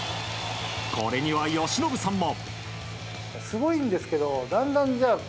これには由伸さんも。